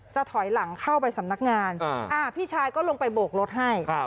ถอยหลังเข้าไปสำนักงานพี่ชายก็ลงไปโบกรถให้